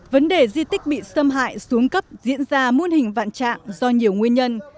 vấn đề di tích bị xâm hại xuống cấp diễn ra muôn hình vạn trạng do nhiều nguyên nhân